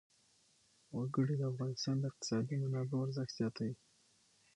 وګړي د افغانستان د اقتصادي منابعو ارزښت زیاتوي.